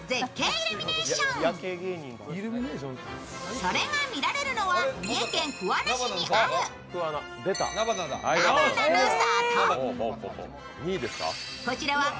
それが見られるのは、三重県桑名市にあるなばなの里。